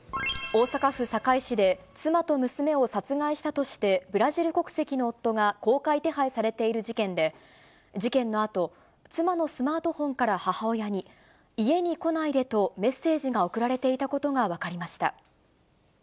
大阪府堺市で、妻と娘を殺害したとして、ブラジル国籍の夫が公開手配されている事件で、事件のあと、妻のスマートフォンから母親に、家に来ないでとメッセージが送られていたことが分かりました。